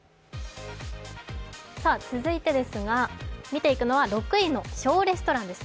続いて見ていくのは６位のショーレストラン。